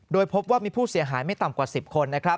โดยพบว่ามีผู้เสียหายไม่ต่ำกว่า๑๐คน